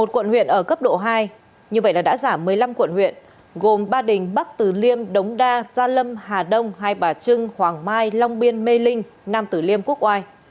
một quận huyện ở cấp độ hai như vậy là đã giảm một mươi năm quận huyện gồm ba đình bắc từ liêm đống đa gia lâm hà đông hai bà trưng hoàng mai long biên mê linh nam tử liêm quốc oai